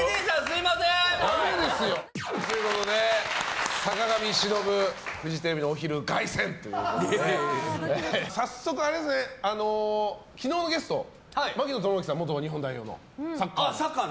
だめですよ！ということで坂上忍フジテレビのお昼凱旋ということで早速、昨日のゲスト槙野智章さん元日本代表のサッカーの。